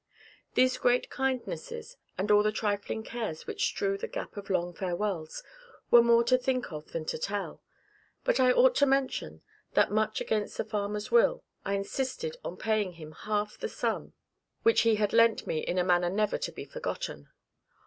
These great kindnesses, and all the trifling cares which strew the gap of long farewells, were more to think of than to tell. But I ought to mention, that much against the farmer's will, I insisted on paying him half the sum, which he had lent me in a manner never to be forgotten.